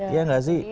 iya gak sih